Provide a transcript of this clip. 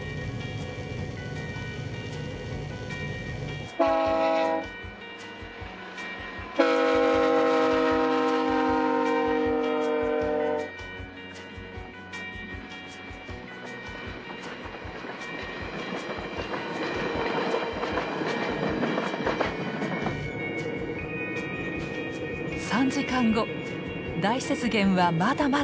３時間後大雪原はまだまだ続く！